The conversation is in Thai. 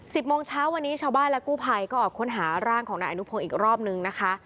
โมงเช้าวันนี้ชาวบ้านและกู้ภัยก็ออกค้นหาร่างของนายอนุพงศ์อีกรอบนึงนะคะ